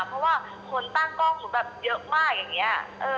เพราะว่าคนตั้งกล้องหนูแบบเยอะมากอย่างนี้